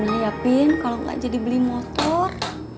gimana ya pin kalau nggak jadi beli motor